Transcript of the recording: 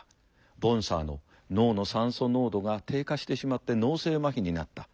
ボンサーの脳の酸素濃度が低下してしまって脳性まひになった。